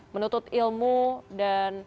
menutup ilmu dan